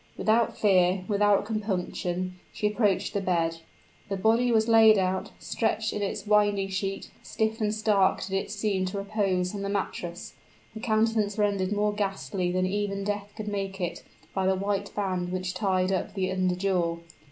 Without fear without compunction, she approached the bed. The body was laid out: stretched in its winding sheet, stiff and stark did it seem to repose on the mattress the countenance rendered more ghastly than even death could make it, by the white band which tied up the under jaw.